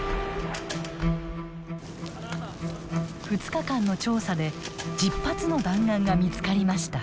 ２日間の調査で１０発の弾丸が見つかりました。